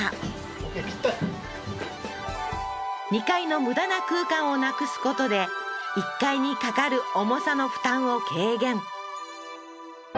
オーケーピッタリ２階の無駄な空間をなくすことで１階にかかる重さの負担を軽減